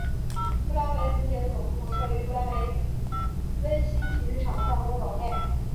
不来梅足协的总部设于不来梅威悉体育场的办公楼内。